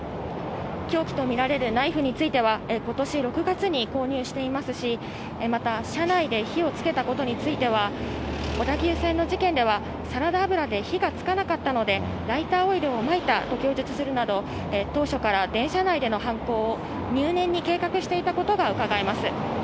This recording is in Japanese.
凶器と見られるナイフについては、ことし６月に購入していますし、また車内で火をつけたことについては、小田急線の事件では、サラダ油で火がつかなかったので、ライターオイルをまいたと供述するなど、当初から電車内での犯行を入念に計画していたことがうかがえます。